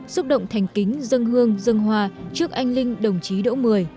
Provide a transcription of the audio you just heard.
xúc động thành kính dân hương dân hòa trước anh linh đồng chí độ một mươi